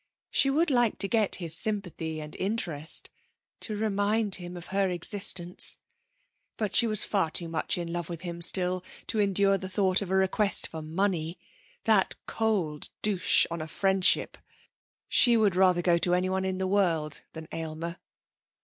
She would like to get his sympathy and interest, to remind him of her existence. But she was far too much in love with him still to endure the thought of a request for money that cold douche on friendship! She would rather go to anyone in the world than Aylmer.